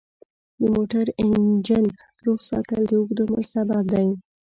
د موټر انجن روغ ساتل د اوږد عمر سبب دی.